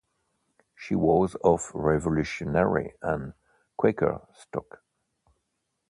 She was of Revolutionary and Quaker stock.